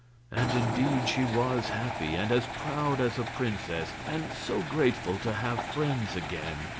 And, indeed, she was happy, and as proud as a princess, and so grateful to have friends again.